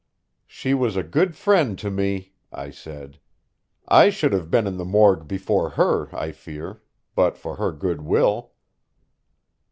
"She was a good friend to me," I said. "I should have been in the morgue before her, I fear, but for her good will."